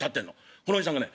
このおじさんがね